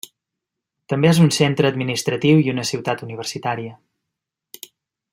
També és un centre administratiu i una ciutat universitària.